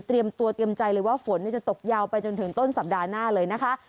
เตรียมใจเลยว่าฝนจะตกยาวไปจนถึงต้นสัปดาห์หน้าเลยนะคะ